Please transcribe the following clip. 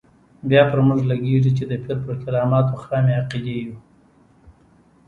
بیا پر موږ لګېږي چې د پیر پر کراماتو خامې عقیدې یو.